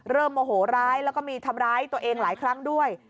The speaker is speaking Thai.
โมโหร้ายแล้วก็มีทำร้ายตัวเองหลายครั้งด้วย